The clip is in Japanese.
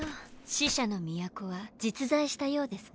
死者の都は実在したようですね。